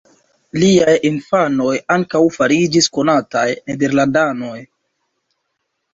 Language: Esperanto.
Liaj infanoj ankaŭ fariĝis konataj nederlandanoj.